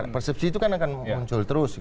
persepsi itu kan akan muncul terus